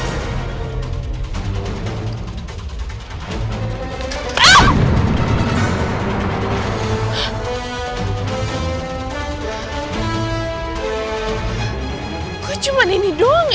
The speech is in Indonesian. apa yang diacruhr watch live nya